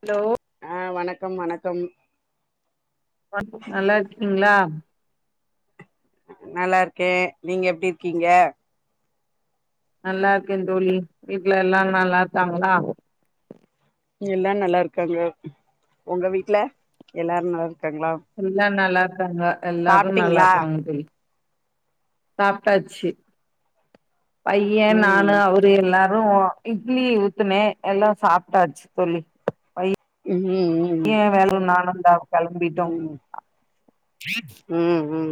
hello ஆ வணக்கம் வணக்கம் வணக்கம் நல்லாருக்கீங்களா நல்லாருக்கே நீங்க எப்பிடி இருக்கீங்க நல்லாருக்கே தோளி வீட்டுல எல்லா நல்லா இருக்காங்களா எல்லா நல்லாருக்காங்க உங்க வீட்டுல எல்லாரு நல்லாருக்காங்களா எல்லா நல்லாருக்காங்க எல்லாரு நல்லாருக்காங்க தோளி சாப்பிட்டாச்சு பைய நானு ம் அவரு எல்லாரு இட்லி ஊத்துனே எல்லா சாப்பிட்டாச்சு தோளி வயி ம் ம் பைய வேல நானும்ந்தா கிளம்பிட்டோம் ம் ம் ம்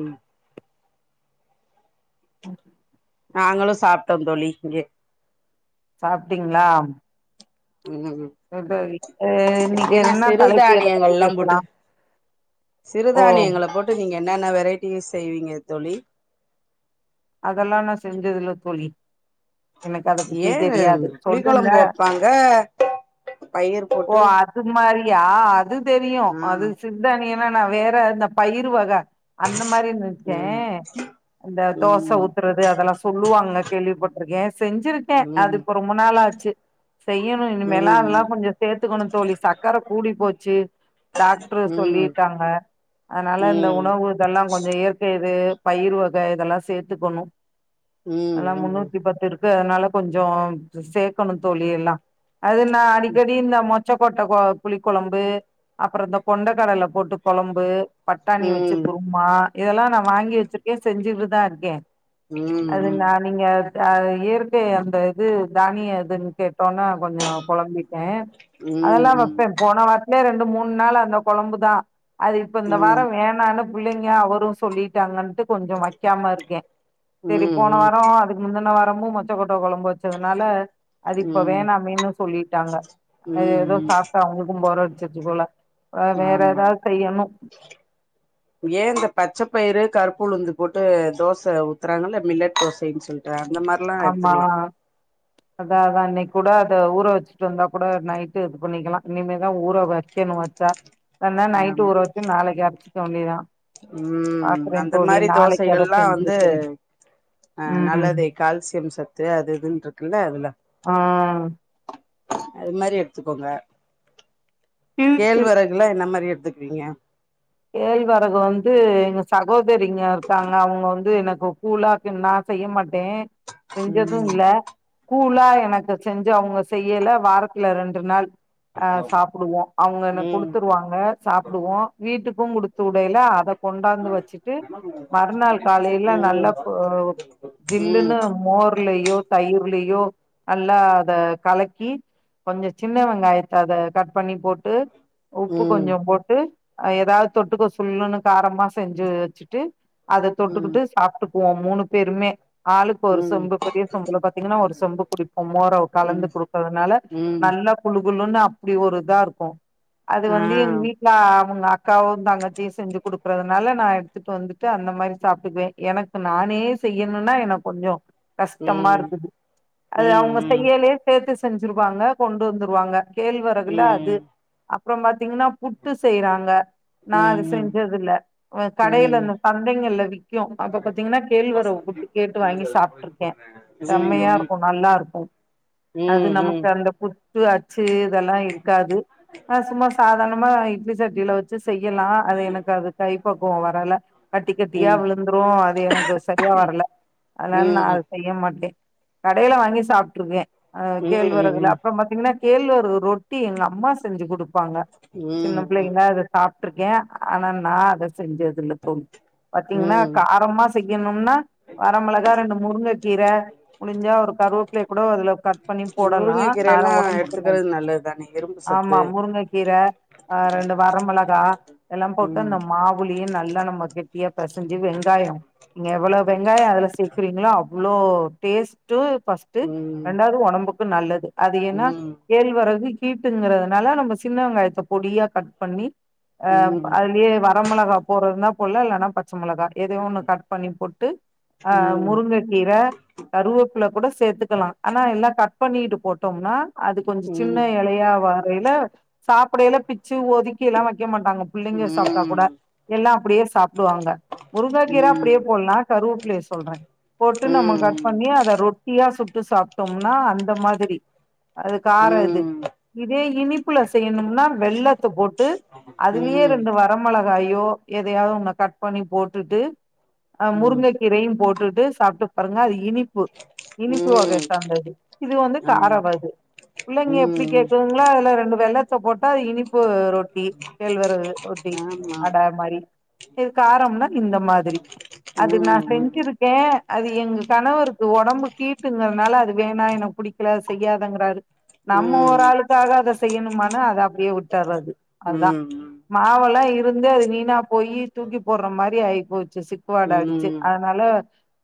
நாங்களு சாப்பிட்டோ தோளி இங்க சாப்பிட்டீங்களா ம் ம் [unintelligible] இன்னைக்கு என்ன தலைப்பு எத பத்தி சிறுதானியங்கள் எல்லா பேசலா போட்டு ஓ சிறுதானியங்கள போட்டு நீங்க என்னென்ன வெரைட்டி செய்வீங்க தோளி அதெல்லா நா செஞ்சது இல்ல தோளி ஏன்னு புளி சொல்லுங்க கொழம்பு வப்பாங்க பயர் போட்டு இதுமாரியா அது தெரியு அது ஆ சிறுதானியனா நா வேற இந்த பயிரு வக அந்த மாரி நென்ச்சே ம் அந்த தோச ம் ஊத்தறது அதெல்லா சொல்லுவாங்க கேள்விப்பட்டுருக்க செஞ்சிருக் க்கே அது இப்ப ரொம்ப நாளாச்சு செய்யணு இனிமேலா ம் அதெல்லா ம் கொஞ்சோ சேத்துக்கணு தோழி சக்கர கூடி போச்சு ம் டாக்டர் ம் சொல்லிட்டாங்க அதனால இந்த ம் உணவு இதெல்லா கொஞ்ச ஏற் இது பயிர் வக இதெல்லா சேத்துக்கணு அதல்லா ம் ம் முன்னூத்தி பத்து இருக் கு அதனால கொஞ்சோ சேக்கணு தோழி எல்லா அது நா அடிக்கடி இந்த மொச் ச்சகொட்ட புளி கொழம்பு அப்பறோ இந்த கொண்டக்கடல போட்டு கொழம்பு ம் பட்டாணி வச்சு ம் குருமா இதெல்லா நா வாங்கி வச்சிருக்கே செஞ்சுட்டுதா இருக்கே ம் அது ம் நா நீங்க அது இயற்கை அந்த இது தானியோ எதுன்னு கேட்டோனா கொஞ்ச கொழம்பி ப்ப ம் அதெல்லா ம் வெப்ப போன வாரத்லே ரெண்டு மூண் நாள் அந்த கொழம்பு தா அது இப்ப இந்த வாரோ வேணான்னு புள்ளைங்க அவரு சொல்லிட்டாங்கன்ட்டு கொஞ்சோ வைக்காம இருக்கே சரி போன வாரோ அதுக்கு முந்தன வாரமு மொச்சக்கொட்ட கொழம்பு வச்சதுனால அது ம் இப்ப ம் வேணா மேன்னு சொல்லிட்டாங்க ம் அது ஏதோ ம் சாப்ட்டு அவுங்களுக்கு போரடிச்சிருச்சு போல வேற ஆமா எதாவது செய்யணு ஏ இந்த பச்சைப்பயிறு கருப்புளுந்து போட்டு தோச ஊத்துறாங்கல்ல மில்லட் தோசைன்னு சொல்ட்டு அந்த மார் ஆமா அதா அதா இன்னிக் கூட அத ஊற வச்சுட்டு வந்தா கூட நைட்டு பண்ணிக்கலா இனிமேதா ஊற வைக்கணு வச்சா இல்லன்னா நைட்டு் ஆமா ஊற வச்சு நாளைக்கு அரைச்சிக்க வேண்டிதா ம் அந்த மாரி அத தோசைகள்ல்லா செஞ்சு வந்து வைக்கிறே அ ம் நல்லதே கால்சியம் சத்து அது இதுன்னு இருக்குல்ல அதுல ஆ அது மாரி எடுத்துக்கோங்க இருக்கு கேழ்வரகுல என்ன மாரி எடுத்துக் கிறிங்க கேழ்வரகு வந்து எங்க சகோதரிங்க இருக்காங்க அவுங்க வந்து எனக்கு கூழா நா செய்ய மாட்டே செஞ்சதூ ம் இல்ல கூழா எனக்கு செஞ்சு அவுங்க செய்யல வாரத்துல ரெண்டு நாள் அ சாப்டுவோ அவங்க எனக் ம் குடுத்துருவாங்க சாப்டுவோ வீட்டுக்கு குடுத்து உடய்ல அத ம் கொண்டாந்து வச்சுட்டு ம் ம் மறுநாள் காலைல்ல நல்லா போ ஜில்லுன்னு மோர்லயோ தயிர்லயோ நல்லா அத கலக்கி கொஞ்ச சின்ன வெங்காயத்த அத கட் பண்ணி போட் ட்டு உப்பு கொஞ்ச போட்டு் எதாவது தொட்டுக்க சுல்லுன்னு காரமா செஞ்சு வச்சுட் ட்டு அத தொட்டுக்கிட்டு ம் சாப்ட்டுக்குவோ‌ மூணு பேருமே ஆளுக்கு ஒரு ம் சொம்பு பெரிய சொம்புல பாத்தீங்கன்னா ஒரு சொம்பு குடிப்போ மோர ம் கலந்து குடுக்கறுனால ம் குளுகுளூன்னு அப்டி ஒரு இதாருக்கு அது வந்து ஆ எங்க வீட்ல அவுங்க அக்காவோ தங்கச்சியு செஞ்சு குடுக்கறதுனால நா எடுத்துட்டு வந்துட்டு அந்த மாரி சாப்ட்டுக்குவே எனக்கு நானே செய்யணுனா எனக் கொஞ்சோ கஷ்டமா ம் இருக்குது அது ம் அவுங்க ம் செய்யலயே சேத்து செஞ்சிருவாங்க கொண்டு வந்துருவாங்க ம் ம் கேழ்வரகுல அது ம் அப்றோ பாத்தீங்கன்னா புட்டு செய்றாங்க ம் ம் ம் ம் நா அது ம் செஞ்சதுல்ல கடைல அந்த சந்தைங்கள்ல விக்கு அப்ப பாத்தீங்கன்னா கேழ்வரகு புட்டு கேட்டு வாங்கி சாப்ட்டுருக்கே ம் செம்மையா இருக்கு நல்லா இருக்கு அது ம் நமக்கு அந்த புட் டு அச்சு இதெல்லா இருக்காது ஆ சும்மா சாதாரணமா இட்லி சட்டில வச்சு செய்யலா அது எனக்கு அது கைப்பக்குவோ வரல கட்டி கட்டியா விழுந்ரு அது எனக்கு சரியா வரல அதனால நா அது செய்ய மாட்டே கடேல வாங்கி சாப்ட்டுருவே அது கேள்வெறகுல ம் அப்பம் பாத்தீங்ன்னா கேழ்வெரகு ரொட்டி எங்க அம்மா செஞ்சு குடுப்பாங்க சின்ன பிள்ளைங்களா அது சாப்ட்ருக்கே ஆனா நா அத செஞ்சது இல்ல தோழி பாத்தீங்கன்னா ம் காரமா செய்யணும்னா வர மிளகா ரெண்டு முருங்க கீர முடுஞ்சா ஒரு கருவேப்பிலய கூட அதுல கட் பண்ணி போடலா நாலு முருங்கைக்கீரைல்லா ஒடம்புக்கு நல்லது எடுத்துக்கிறது தானே இரும்பு ஆமா சத்து முருங்ககீர ஆ ரெண்டு வரமிளகா கா எல்லாம் போட்டு ம் அந்த மாவுளயே நல்லா நம்ம கெட்டியா பெசஞ்சு வெங்காயம் நீங்க எவளோ வெங்காயொ அதுல சேக்குறீங்களோ அவ்வளோ டேஸ்ட்டு ஃபஸ்ட் டு ம் ரெண்டாவது ஒடம்புக்கு நல்லது அது ஏனா ம் கேழ்வரகு ஹீட்டுங்கறதுனால நம்ம சின்ன வெங்காயத்த பொடியா கட் பண்ணி அ ம் அதுலயே வரமிளகா போறதுன்னா போட்ல இல்லனா ப பச்ச மொளகா எதையோ ஒண்ணு கட் பண்ணி போட்டு அ ம் ம் முருங்க கீர கருவப்பில கூட சேத்துக்கலா ஆனா எல்லா கட் பண்ணீட்டு போட்டோம்னா அது கொஞ்சொ ம் சின்ன ம் எலையா வரேல சாப்டேல பிச்சு ஒதுக்கீல்லா வக்க மாட்டாங்க ம் புள்ளைங்க சாப்ட்டா கூட எல்லா அப்டியே சாப்டுவாங்க முருங்கக்கீர ம் அப்டியே போட்லா கருவப்பிலய சொல்றே போட்டு நம்ம கட் பண்ணி அத ரொட்டியா சுட்டு சாப்ட்டோம்ன்னா அந்த மாதிரி அது கார இது இதே இனிப்புல செய்யணும்னா வெள்ளத்த போட் டு அதுலயே ம் ம் ரெண்டு வரமிளகாயோ எதையாவது ஒன்ன கட் பண்ணி போட்டுட்டு ஆ முருங்ககீரயும் போட்டுட்டு சாப்ட்டு பாருங்க அது இனிப் பு இனிப்பு வகைய ம் சார்ந்தது இது வந்து ஆ காரவது பிள்ளங்க எப்டி ம் கேக்குதுங்ளோ அதுல ரெண்டு வெள்ளத்த போட்டா அது இனிப்பு ரொட் டி கேழ்வரகு ரொட்டி ஆமா அடா மாரி இது காரம்னா இந்த மாதிரி அது நா ம் ம் செஞ்சிருக் கு அது எங்க கணவருக்கு ஒடம்பு ஹீட்டுங்கறனால அது வேணா எனக்கு புடிக்ல அது செய்யாதங்குறாரு நம்ம ஒரு ம் ஆளுக்காக அத செய்யணுமானு அத அப்டியே வுட்டற்றது அதா ம் ம் மாவல்லா இருந்து அது வீணா போயி தூக்கி போட்ற மாரி ஆயி போச்சு சிக்குவாட அடுச்சு அது ம் ம் அதுனால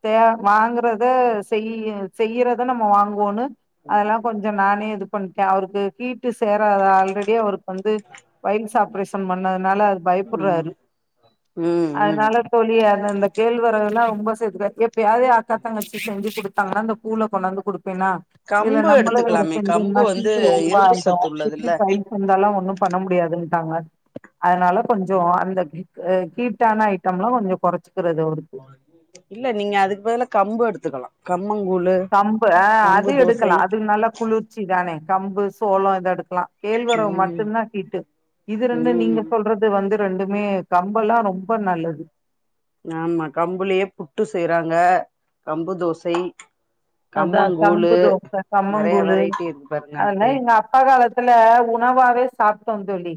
தே வாங்குறத செய்யி செய்யிறத நம்ம வாங்குவோன்னு அதுனால கொஞ்ச நானே இது பண்ட்கே அவருக்கு ஹீட்டு சேறாதா ஆல்ரெடி அவருக்கு வந்து பைல்ஸ் ஆப்ரேஷன் பண்ணதுனால அது பயப்புற்றாரு அதுனால சொல்லி அது அந்த கேழ்வரகல்லா ரொம்ப சேத்துக்க எப்பயாவது எ அக்கா தங்கச்சி செஞ்சு குடுத்தாங்கனா அந்த கூழ கொண்டாந்து குடுப்பேனா இதுல கம்பு நம்மளே இவ்வளவு எடுத்துக்கலாமே செஞ்சு கம்பு இருந்தா வந்து ஹீட்டு ரொம்ப இரும்பு ஆய்டு சத்து திருப்பி உள்ளதுல்ல பைல்ஸ் வந்தாலு ஒண்ணு பண்ண மு துன்ட்டாங்க அதுனால கொஞ்சோ அந்த அ ஹீட்டான ஐட்டம்லா கொஞ்சொ குறச்சுக்கறது அவருக் இல்ல நீங்க அதுக்கு பதிலா கம்பு எடுத்துக்கலா கம்மங்கூழு கம்பு அ அது கம்பு தோசை எடுக்கலா அது நல்ல குளுர்ச்சி தானே கம்பு சோளோ இத எடுக்கலா கேள்வரகு ம் மட்டுந்தா ஹீட்டு இது ரெண்டு நீங்க ம் சொல்றது அது வந்து ரெண்டுமே கம்பல்லா ரொம்ப நல்லது ஆமா கம்புலயே புட்டு செய்றாங்க கம்பு தோசை அதா கம்மங்கூழு கம்பு தோச நெறைய கம்மங்கூழு வெரைட்டி இருக்கு பாருங்க அதல்லா அதுலயே எங்க அப்பா காலத்துல உணவாவே சாப்ட்டோ தோழி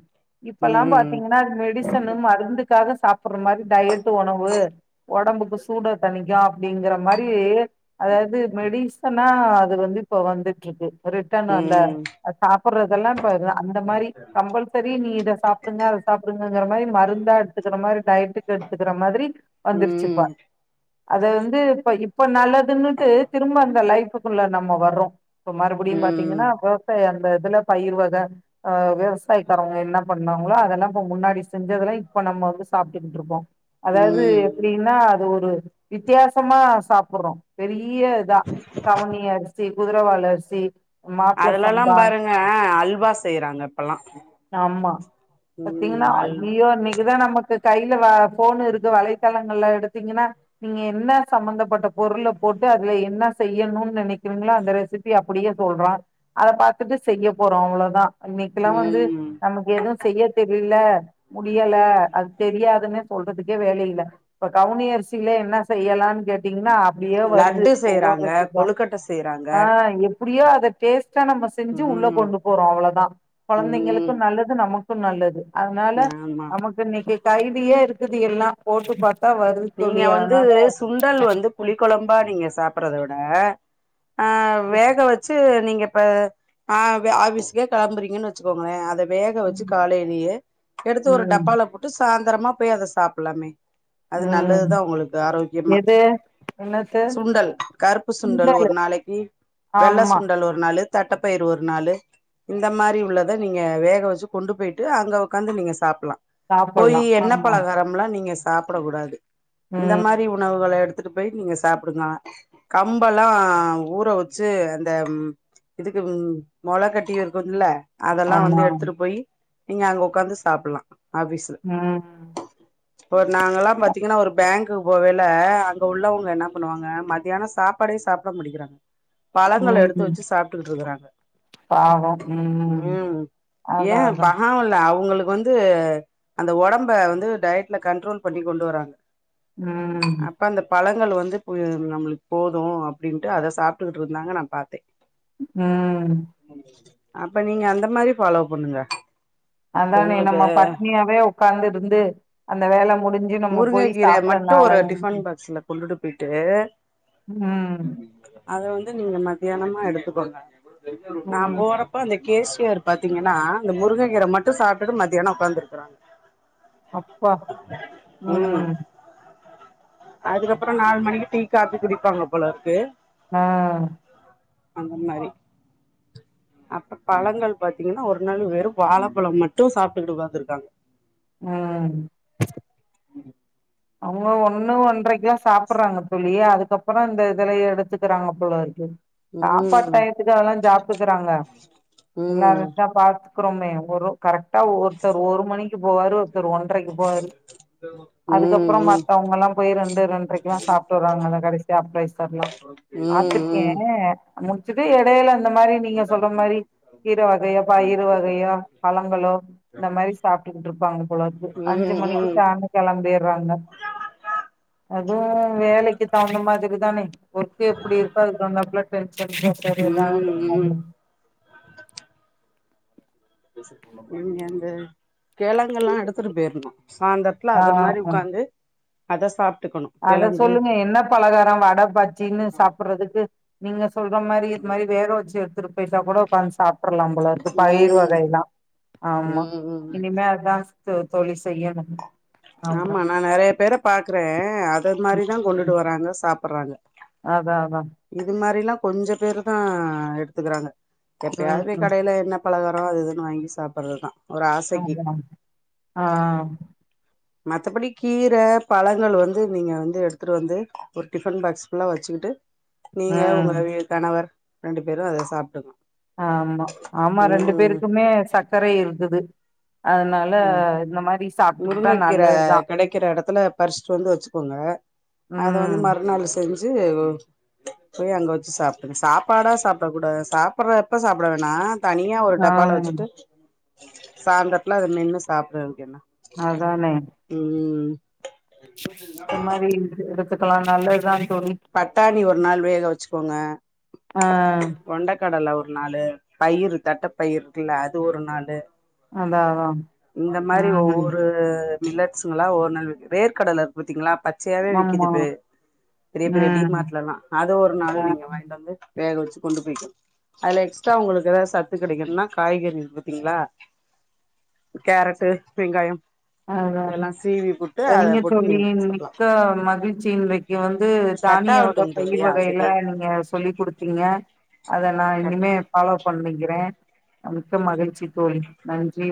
இப்பல்லா பா ம் பாத்தீங்கன்னா அது மெடிசனு மருந்துக்காக சாப்பிடற மாரி டயட் உணவு ஒடம்புக்கு சூட தணிக்கு அப்டிங்கிற மாரி அதாவது மெடிசனா அது வந்து இப்ப வந்துட்டு இருக்கு ரிட்டன் அந்த ம் சாப்பிடறதெல்லா இப்ப அந்த மாரி கம்பல்சரி நீ இத சாப்பிடுங்க அத சாப்டுங்கற மாரி மருந்தா எடுத்துக்கற மாரி டயட்டுக்கு எடுத்துக்கற மாதிரி வந்துருச்சு இப்ப ம் அத வந்து இப்ப இப்ப நல்லதுன்னுட்டு திரும்ப அந்த லைஃப்க்குள்ள நம்ம வர்றோ இப்ப மறுபடியும் பாத்தீங்கன்னா ம் அப்போ அந்த இதுல பயிர் வகை ஆ விவசாயக்காறவங்க என்ன பண்ணாஙளோ அதெல்லா இப்ப முன்னாடி செஞ்சதெல்லா இப்ப நம்ம வந்து சாப்ட்டுட்டு இருப்போ அதாவது ம் அப்டினா அது ஒரு வித்தியாசமா சாப்புறோ பெரிய தா கவனி அரிசி, குதிரவாளி அரிசி மாப்ள அதுல எல்லாம் சம்பா பாருங்க அல்வா செய்யறாங்க இப்பல்லா ஆமா பாத்தீங்கன்னா ம் அல்வா அய்யய்யோ அன்னைக்குதா நமக்கு கைல வ ஃபோனு இருக்கு வளை தலங்கல்ல எடுத்தீங்கனா நீங்க என்ன சம்பந்தப்பட்ட பொருள போட்டு அதுல என்னா செய்யணுனு நெனைக்கறீங்களோ அந்த ரெசிபிய அப்டியே சொல்றான் அத பாத்துட்டு செய்ய போறோ அவ்ளதா அன்னைக்கெல்லா வந்து ம் நமக்கு எதுவு செய்ய தெரில முடியல அது தெரியாதுனு சொல்றதுக்கே வேலை இல்ல இப்ப கவுனியரிசில என்ன செய்யலானு கேட்டீங்கன்னா அப்டியே வருது லட்டு ஒவ்வொரு செய்றாங்க ரெசிதா கொழுக்கட்ட செய்றாங்க ஆ எப்டியோ அத டேஸ்ட்டா நம்ம செஞ்சு உள்ள ம் கொண்டு போறோ அவ்ளோதா கொழந்தைங்களுக்கு ம் நல்லது நமக்கு நல்லது அதனால ஆமா நம இன்னைக்கு கைலியே இருக்குது எல்லா போட்டு பாத்தா வ நீங்க வந்து சுண்டல் வந்து புளிகொழம்பா நீங்க சாப்டறத விட ஆ வேக வெச்சு நீங்க ப ஆ ஆஃபிஸுக்கே கெளம்புறீங்கன்னு வெச்சுக்கோங்களே அத வேக வெச்சு காலைலயே எடுத்து ஒரு ம் டப்பால போட்டு சாய்ந்தரமா போய் அத சாப்லாமே அது ம் நல்லதுதா உங்களுக்கு ஆரோகியமா என்னத சுண்டல் கருப்பு சுண்டல் ஒரு நாளைக்கு வெள்ள ஆமா சுண்டல் ஒரு நாளு தட்டப்பயிரு ஒரு நாளு இந்த மாரி உள்ளத நீங்க வேக வெச்சு கொண்டு போய்ட்டு அங்க உக்காந்து நீங்க சாப்ல்லா போயி சாப்பல்லா எண்ணெ ஆமா பலகாரமல்லா நீங்க சாப்டக் கூடாது இந்த ம் மாரி உணவுகள எடு எடுத்துட்டு போயி நீங்க சாப்டுங்க கம்பெல்லா ஊற வெச்சு அந்த இதுக்கு மொள கட்டி இருக்குன்ல்ல அதெல்லா ஆமா வந்து எடுத்துட்டு போயி நீங்க அங்க உக்காந்து சாப்ல்லா ஆஃபீஸ்ல ம் நாங்க எல்லாம் பாத்தீங்கன்னா ஒரு ஃபேங்க்கு போகைல அங்க உள்ளவங்க என்ன பண்ணுவாங்க மத்தியான சாப்பாடே சாப்ட மாட்டிங்கிறாங்க பழங்கள எடுத்து ம் வெச்சு சாப்ட்டுகிட்டு இருக்கறாங்க ம் ஏ அதா அதா பாவல்ல அவுங்களுக்கு வந்து து அந்த ஒடம்ப வந்து டயட்ல கண்ட்ரோல் பண்ணி கொண்டு வராங்க ம் அப்ப அந்த பழங்கள் வந்து பொ நம்மளுக்கு போது அப்படின்ட்டு அத சாப்டுட்டுகிட்டு இருந்தாங்க நா பாத்தே ம் அப்ப நீங்க அந்த மாரி ஃபாலோ பண்ணுங்க இப்ப அதானே உங்களுக்கு நம்ம பட்னியாவே உக்காந்திருந்து அந்த வேல முடி முருங்க கீர மட்டு ஒரு டிஃபன் பாக்ஸ்ல கொண்டுட்டு போயிட்டு ம் அத வந்து நீங்க மத்தியானமா எடுத்துக்கோங்க நா ம் போறப் ப அந்த கேஷ்யர் பாத்தீங்கன்னா அந்த முருங்க கீர மட்டு சாப்டுட்டு மத்தியானோ உக்காந்துருக்கராங்க அப்பா ம் அதுக்கப்பறோ நாலு மணிக்கு டீ காப்பி குடிப்பாங்க போலருக்கு நாங்க அந்த மாரி அப்ப பழங்கள் பாத்திங்ன்னா ஒரு நாள் வெறு வாழப்பழோ மட்டு சாப்டுக்கிட்டு உக்காந்துருக்காங்க ஆம் அவுங்க ஒண்ணு ஒன்றைக்குலா சாப்பறாங்க தோழி அதுக்கப்பறோ இந்த இதலய எடுத்துக்கறாங்க போலருக்கு சாப்பாட் ம் டயத்துக்கு அதல்லா சாப்டுக்குறாங்க ம் [unintelligible] பாத் அப்றோமே ஒரு கரெக்டா ஒருத்தர் ஒரு மணிக்கு போவாரு ஒருத்தர் ஒன்றைக்கு போவாரு ம் கப்பறோ ம் மத்தவங்களா போய் ரெண்டு ரெண்டரைக்குலா சாப்ட்டு வர்றாங்கல்ல கடைசியா அப்ரைசர்லா ம் பாத்துருக்கே ம் முடிச்சுட்டு எடையில அந்த மாரி நீங்க சொல்ற மாரி இரு வகையப்பா இரு வகையோ பழங்களோ இந்த மாரி சாப்ட்டுக்கிட்டு இருப்பாங்க போலருக்கு அஞ்சு ம் மணிக்கு ம் டாண்னு கெளம்பீறாங்க அதுவு வேலைக்கு தவுந்த மாதிரி தானே ஒர்க்கு எப்படி இருக்கோ அதுக்கு தவுந்தாப்புல [inaudible] இருக்காங்க ம் ம் நீங்க அந்த கெழங்குலா எடுத்துட்டு போயிருனு சாயிந்தரத்துல ஆ அது மாரி உக்காந்து அத சாப்ட்டுக்கணு கெழங்கு பலகாரோ வட பஜ்ஜின்னு சாப்படறதுக்கு நீங்க சொல்ற மாரி இது மாரி வேக வெச்சு எடுத்துட்டு போயிட்டா கூட உக்காந்து சாப்டர்லா போலருக்கு பயிர் ம் வகையிலா ஆமா ம் ம் இனிமே அதா தோ தோழி செய்யணும் ஆமா நா நறைய பேர பாக்குறே அத ம் மாரிதா கொண்டுட்டு வராங்க சாப்பறாங்க அதா அதா இது மாரிலா கொஞ்ச பேரு தா எடுத்துக்கறாங்க எப்பயா போய் ம் கடையில என்ன பலகாரோ அது இதுன்னு வாங்கி சாப்பறதுதா [inaudible] அ மத்தபடி கீர பழங்கள் வந்து நீங்க வந்து எடுத்துட்டு வந்து ஒரு டிஃபன் பாக்ஸ் ஃபுல்லா வச்சுக்கிட்டு நீங்க ம் உங்களுய கணவர் ரெண்டு பேரு அத சாப்டுங்க ஆமா ஆமா ரெண்டு ம் பேருக்குமே சக்கரை இருக்குது அதனா ம் முருங்கக்கீர நல்லதுதா கெடைக்கற எடத்துல பரிச்சுட்டு வந்து வெச்சுக்கோங்க அத வந்து ம் மறுநாளு செஞ்சு வவ் போய் அங்க வெச்சு சாப்பிடுங்க சாப்பாடா சாப்ட்டா கூடா சாப்படுறப்ப சாப்பட வேணா தனியா ஒரு ஆ டப்பால வெச்சுட்டு சாய்ந்தரத்துல அத மென்னு சாப்படறதுக்கு என்ன அதானே ம் ம் ம் இந்த மாரி எடுத்துக்கலா நல்லதுதா தோழி பட்டாணி ஒரு நாள் வேக வெச்சுக்கோங்க அ கொண்டக்கடல ஒரு நாளு பயிரு தட்டப்பயிரு இருக்குல்ல அது ஒரு நாளு அதா அதா இந்த மாரி ம் ஒவ்வொரு ரு மில்லட்ஸ்ங்கலா ஒரு நாள் வேர்கடல இருக்கு பாத்தீங்களா பச்சையாவே விக்கிது ஆமா இப்பு பெரிய பெரிய டி ம் மார்ட்லல்லா அது ஒரு நாள் ஆ நீங்க வாங்கிட்டு வந்து வேக வச்சு கொண்டு போய்கணு அதுல எக்ஸ்ட்ரா உங்களுக்கு ஏதாவது சத்து கெடைக்கணுன்னா காய்கறி இருக்கு பாத்தீங்களா கேரட்டு வெங்காயோ அதா செரிங்க போட்டு தோழி நீங்க சாப்டலா மிக்க மகிழ்ச்சியி இன்றைக் ங்க வந்து தானிய வகை கட்டாகட்டும் தோழி பயிர் வகையில ஆல்ரெடி நீங்க சொல்லி் குடுத்தீங்க அத நா கட் இனிமே ஃபாலோ பண்ணிக்கிறே மிக்க மகிழ்ச்சி தோழி நன்றி